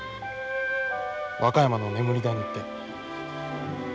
和歌山の眠り谷って。